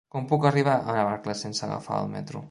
Com puc arribar a Navarcles sense agafar el metro?